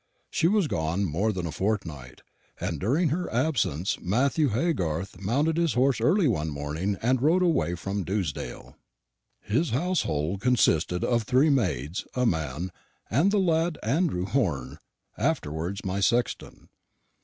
She was gone more than a fortnight; and during her absence Matthew Haygarth mounted his horse early one morning and rode away from Dewsdale. "His household consisted of three maids, a man, and the lad Andrew Hone, afterwards my sexton.